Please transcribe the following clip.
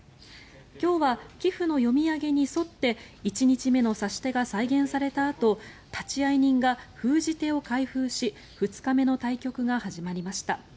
今日は棋譜の読み上げに沿って１日目の指し手が再現されたあと立会人が封じ手を開封し２日目の対局が始まりました。